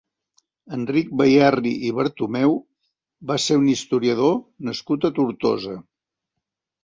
Enric Bayerri i Bertomeu va ser un historiador nascut a Tortosa.